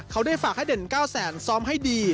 เขาได้ฝากให้เด่น๙แสนซ้อมให้ดี